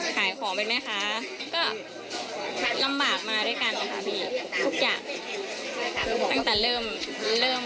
ขายของเป็นแม่ค้าก็ลำบากมาด้วยกันค่ะพี่